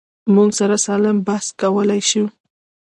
موږ سره سالم بحث کولی شو.